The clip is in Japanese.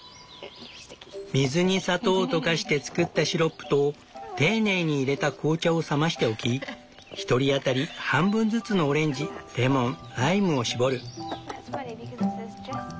水に砂糖を溶かして作ったシロップと丁寧に入れた紅茶を冷ましておき１人当たり半分ずつのオレンジレモンライムを搾る。